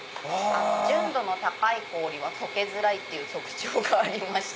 純度の高い氷は解けづらいって特徴がありまして。